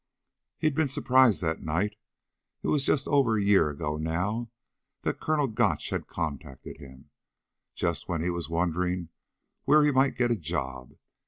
He'd been surprised that night it was over a year ago now that Colonel Gotch had contacted him. (Just when he was wondering where he might get a job.